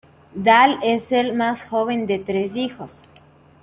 Dall es el más joven de tres hijos.